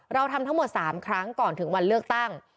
เราทำทั้งหมด๓ครั้งก่อนถึงวันเลือกตั้ง